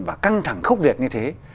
và căng thẳng khốc diệt như thế